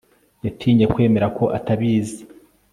Yatinye kwemera ko atabizi